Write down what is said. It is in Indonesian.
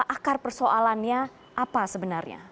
akar persoalannya apa sebenarnya